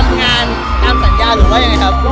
ทำงานตามสัญญาติหรือว่าอย่างไรครับ